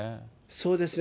そうですね。